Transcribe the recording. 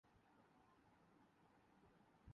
ہمت تو دور کی بات ہے۔